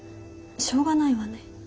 しょうがないわね。